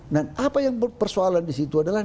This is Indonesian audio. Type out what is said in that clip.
dan apa yang persoalan di situ adalah